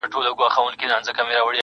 بیا میندل یې په بازار کي قیامتي وه!